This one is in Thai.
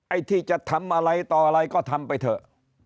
ไอ้ที่จะทำอะไรต่ออะไรก็ทำไปเถอะ